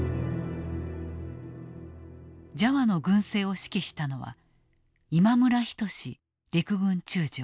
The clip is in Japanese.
ジャワの軍政を指揮したのは今村均陸軍中将。